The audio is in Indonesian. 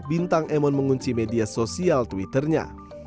bintang emon mengunci media sosial twitternya